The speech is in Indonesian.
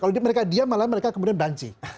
kalau mereka diam malah mereka kemudian banci